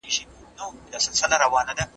کابل ډیری تفریحي ساحي لری